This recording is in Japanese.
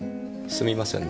すみません！